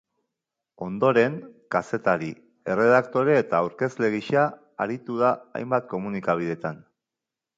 Ondoren, kazetari, erredaktore eta aurkezle gisa aritu da hainbat komunikabidetan.